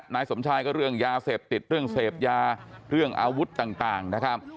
นายสมชายก็เรื่องยาเสพติดเรื่องเสพยาเรื่องอาวุธต่างนะครับ